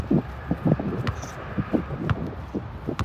তাই আমি সেই স্টিফেনদের উপকার করেছি।